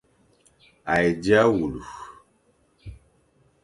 A he dia wule.